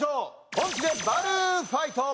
本気でバルーンファイト。